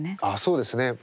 ああそうですね。